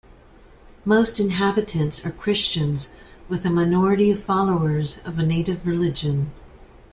Most inhabitants are Christians with a minority of followers of a native religion.